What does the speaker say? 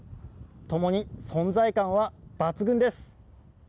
ともに存在感は抜群です。